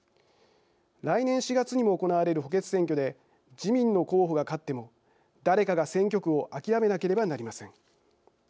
来年４月にも行われる補欠選挙で自民の候補が勝っても誰かが選挙区を諦めなければなりません。